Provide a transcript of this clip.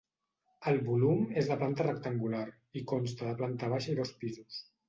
El volum és de planta rectangular i consta de planta baixa i dos pisos.